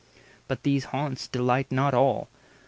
But these haunts Delight not all.